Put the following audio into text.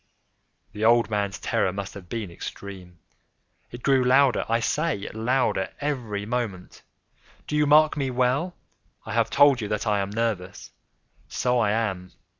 The old man's terror must have been extreme! It grew louder, I say, louder every moment!—do you mark me well? I have told you that I am nervous: so I am.